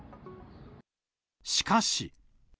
しかし。